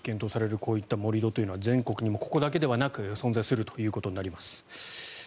こういった盛り土というのは全国にここだけではなく存在することになります。